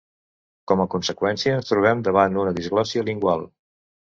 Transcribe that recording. Com a conseqüència ens trobem davant una disglòssia lingual.